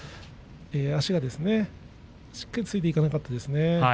足がついていかなかったですね。